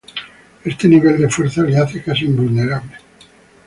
Este nivel de fuerza le hace casi invulnerable.